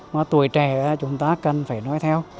mà tuổi trẻ chúng ta cần phải nói theo